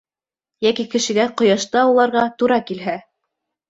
Йәки кешегә ҡояшты ауларға тура килһә?